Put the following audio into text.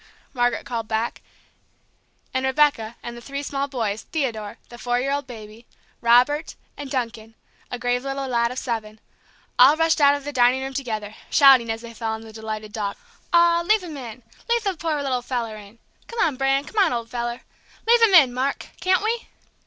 Margaret called back, and Rebecca and the three small boys Theodore, the four year old baby, Robert, and Duncan, a grave little lad of seven all rushed out of the dining room together, shouting, as they fell on the delighted dog: "Aw, leave him in! Aw, leave the poor little feller in! Come on, Bran, come on, old feller! Leave him in, Mark, can't we?"